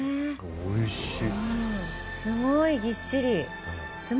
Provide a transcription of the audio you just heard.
おいしい！